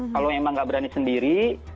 kalau memang nggak berani sendiri